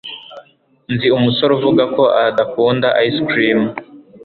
Nzi umusore uvuga ko adakunda ice cream.